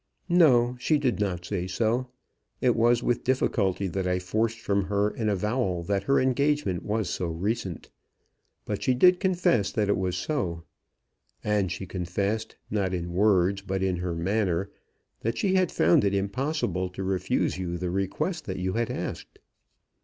"No; she did not say so. It was with difficulty that I forced from her an avowal that her engagement was so recent. But she did confess that it was so. And she confessed, not in words, but in her manner, that she had found it impossible to refuse to you the request that you had asked."